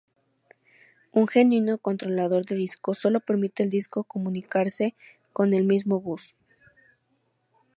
Un genuino controlador de disco sólo permite al disco comunicarse con el mismo bus.